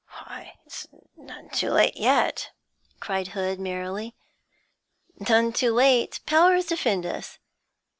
'Why, it's none too late yet,' cried Hood, merrily. 'None too late! Powers defend us!